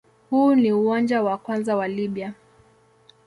Huu ni uwanja wa kwanza wa Libya.